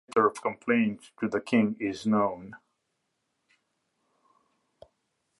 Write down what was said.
A letter of complaint to the king is known.